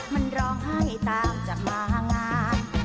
มันร้องไห้ตามจับมางาน